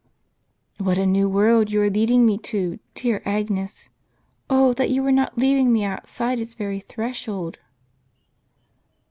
" "What a new world you are leading me to, dear Agnes! Oh, that you were not leaving me outside its very threshold